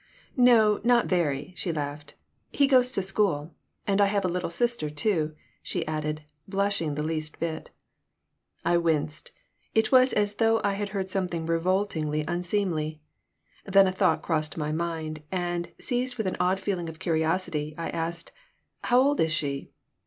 "No, not very," she laughed. "He goes to school. I have a little sister, too," she added, blushing the least bit. I winced. It was as though I had heard something revoltingly unseemly. Then a thought crossed my mind, and, seized with an odd feeling of curiosity, I asked: "How old is she?"